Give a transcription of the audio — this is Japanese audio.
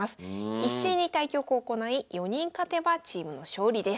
一斉に対局を行い４人勝てばチームの勝利です。